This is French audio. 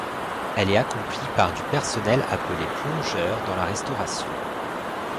Elle est accomplie par du personnel appelé plongeurs dans la restauration.